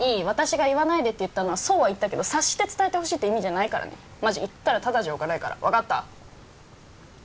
私が「言わないで」って言ったのはそうは言ったけど察して伝えてほしいって意味じゃないからねマジ言ったらタダじゃおかないから分かった？